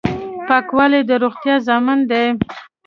پاکوالی د روغتیا ضامن دی.